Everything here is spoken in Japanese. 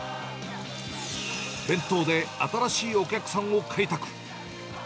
弁当で新しいお客さんを開拓。